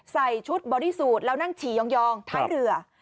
ใส่ชุดบอดี้สูตรแล้วนั่งฉี่ยองท้ายเรือ